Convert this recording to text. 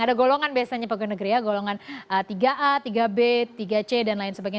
ada golongan biasanya pegawai negeri ya golongan tiga a tiga b tiga c dan lain sebagainya